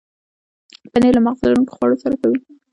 پنېر له مغز لرونکو خواړو سره ښه وي.